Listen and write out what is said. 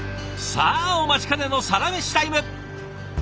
さあお待ちかねのサラメシタイム。